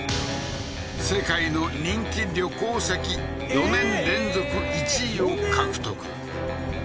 世界の人気旅行先４年連続１位を獲得